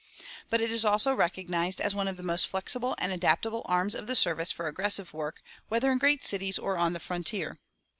But it is also recognized as one of the most flexible and adaptable "arms of the service" for aggressive work, whether in great cities or on the frontier.